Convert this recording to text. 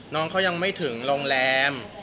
น้องเขายังไม่ถึงโรงแรม